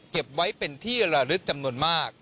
เก็บไว้เป็นที่ระลึกจำนวนมาก